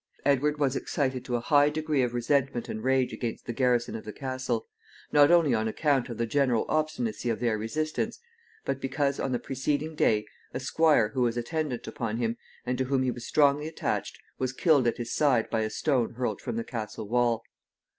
Edward was excited to a high degree of resentment and rage against the garrison of the castle, not only on account of the general obstinacy of their resistance, but because, on the preceding day, a squire, who was attendant upon him, and to whom he was strongly attached, was killed at his side by a stone hurled from the castle wall.